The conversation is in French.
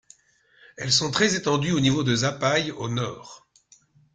Elles sont très étendues au niveau de Zapai, au nord.